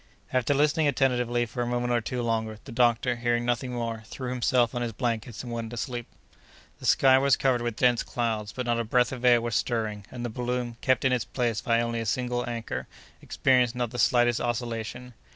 After listening attentively for a moment or two longer, the doctor, hearing nothing more, threw himself on his blankets and went asleep. The sky was covered with dense clouds, but not a breath of air was stirring; and the balloon, kept in its place by only a single anchor, experienced not the slightest oscillation.